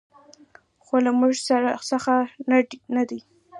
خو له موږ څخه نه دي .